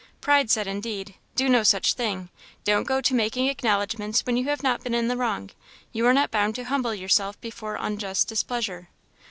Pride said, indeed, "Do no such thing; don't go to making acknowledgements when you have not been in the wrong; you are not bound to humble yourself before unjust displeasure."